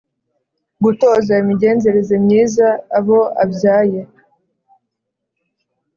gutoza imigenzereze myiza abo abyaye